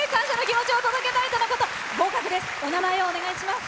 合格です、お名前をお願いします。